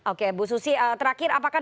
oke bu susi terakhir apakah